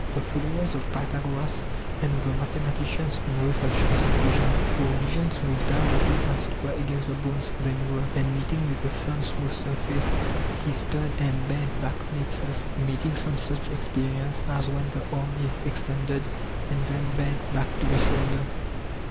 The followers of Pytha goras and of the mathematicians on reflections of vision : For vision moves directly as it were against the bronze [of a mirror], and meeting with a firm smooth surface it is turned and bent back on itself, meeting some such experience as when the arm is extended and then bent back to the shoulder.